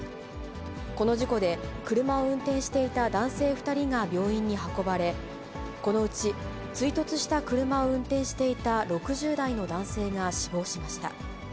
この事故で、車を運転していた男性２人が病院に運ばれ、このうち追突した車を運転していた６０代の男性が死亡しました。